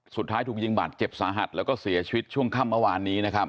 สุดท้ายถูกยิงบาดเจ็บสาหัสแล้วก็เสียชีวิตช่วงค่ำเมื่อวานนี้นะครับ